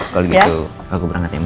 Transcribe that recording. kalau gitu aku berangkat ya ma